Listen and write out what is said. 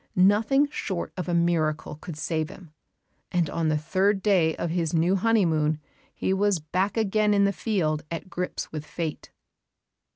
Nothing short of a miracle could save him; and on the third day of his new honeymoon he was back again in the field at grips with fate.